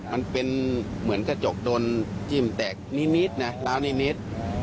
มันเป็นเหมือนกระจกโดนจิ้มแตกนิดนะล้าวนิด